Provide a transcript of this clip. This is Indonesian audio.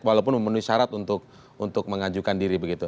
walaupun memenuhi syarat untuk mengajukan diri begitu